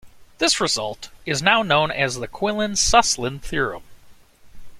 This result is now known as the Quillen-Suslin theorem.